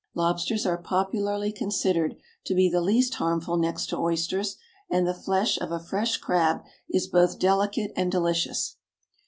Lobsters are popularly considered to be the least harmful next to oysters, and the flesh of a fresh crab is both delicate and delicious.